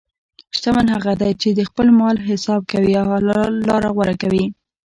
شتمن هغه دی چې د خپل مال حساب کوي او حلال لاره غوره کوي.